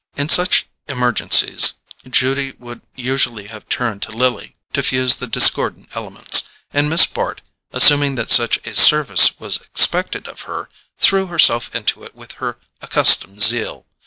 In such emergencies, Judy would usually have turned to Lily to fuse the discordant elements; and Miss Bart, assuming that such a service was expected of her, threw herself into it with her accustomed zeal.